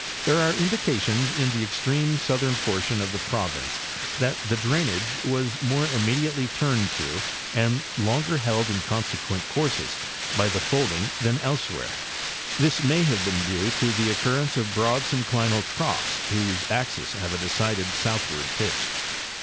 There are indications in the extreme southern portion of the province that the drainage was more immediately turned to and longer held in consequent courses by the folding than elsewhere. This may have been due to the occurrence of broad synclinal troughs whose axes have a decided southward pitch.